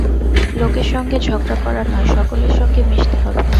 লোকের সঙ্গে ঝগড়া করা নয়, সকলের সঙ্গে মিশতে হবে।